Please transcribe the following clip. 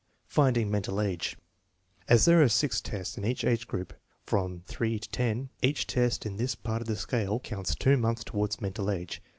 Finding mental age. As there are sk tests in each age group from III to X, each test in this part of the scale counts 2 months toward mental age.